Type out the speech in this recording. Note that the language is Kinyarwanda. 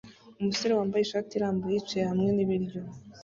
Umusore wambaye ishati irambuye yicaye hamwe nibiryo